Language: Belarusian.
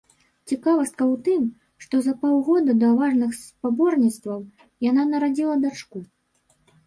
Цікавостка ў тым, што за паўгода да важных спаборніцтваў яна нарадзіла дачку.